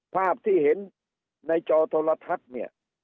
ภาพที่เห็นในจอโทรทัศน์เนี่ย